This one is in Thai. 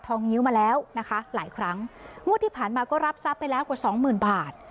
งิ้วมาแล้วนะคะหลายครั้งงวดที่ผ่านมาก็รับทรัพย์ไปแล้วกว่าสองหมื่นบาท